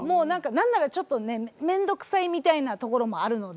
何ならちょっと面倒くさいみたいなところもあるので。